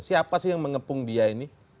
siapa sih yang mengepung dia ini